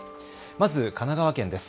まず神奈川県です。